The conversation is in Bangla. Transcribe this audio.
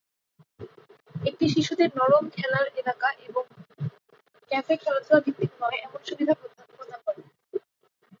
একটি শিশুদের নরম খেলার এলাকা এবং ক্যাফে খেলাধুলা ভিত্তিক নয় এমন সুবিধা প্রদান করে।